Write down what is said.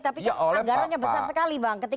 tapi kan anggarannya besar sekali bang